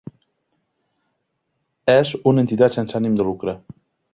És una entitat sense ànim de lucre.